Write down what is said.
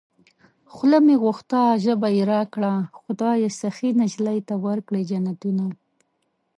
خوله مې غوښته ژبه يې راکړه خدايه سخي نجلۍ ته ورکړې جنتونه